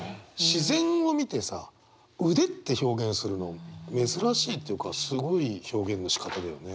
自然を見てさ「腕」って表現するの珍しいっていうかすごい表現のしかただよね。